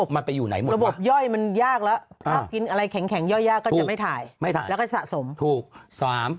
ระบบย่อยมันยากละครับกินอะไรแข็งย่อยก็จะไม่ถ่าย